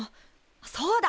そうだ！